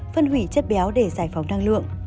phân hủy chất béo để giải phóng năng lượng